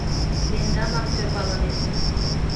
Тендамак сӧрвалынем.